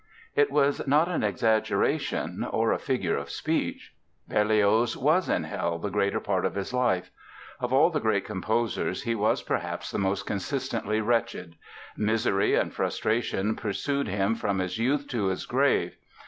It was not an exaggeration or a figure of speech. Berlioz was in hell the greater part of his life. Of all the great composers he was perhaps the most consistently wretched. Misery and frustration pursued him from his youth to his grave.